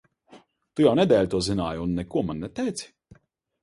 Tu jau nedēļu to zināji, un neko man neteici?